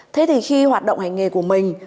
thế thì khi hoạt động hành nghề của mình